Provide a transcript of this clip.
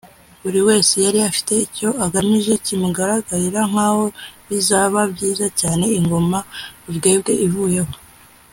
buri wese yari afite icyo agamije kimugaragarira nk’aho bizaba byiza cyane ingoma Rubwebwe ivuyeho